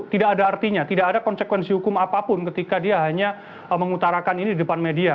tidak ada artinya tidak ada konsekuensi hukum apapun ketika dia hanya mengutarakan ini di depan media